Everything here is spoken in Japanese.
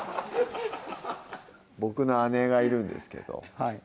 僕の姉がいるんですけどはい